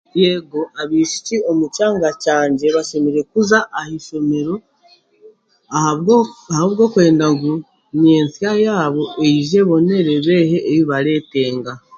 Yego, abaishiki omu kyanga kyangye bashemereire kuza ah'eishomero ahabw'okwenda ngu ny'ensya yabo eyije ebonere ebe eyibareteenga.